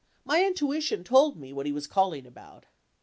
My intuition told me what he was calling about.